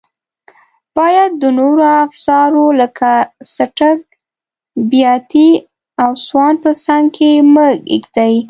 باید د نورو افزارو لکه څټک، بیاتي او سوان په څنګ کې مه ږدئ.